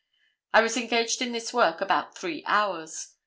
I was engaged in this work about three hours.